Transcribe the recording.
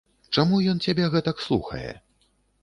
Чаму ён цябе гэтак слухае?